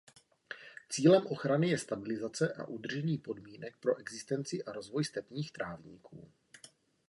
Cílem ochrany je stabilizace a udržení podmínek pro existenci a rozvoj stepních trávníků.